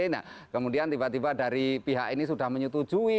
nah kemudian tiba tiba dari pihak ini sudah menyetujui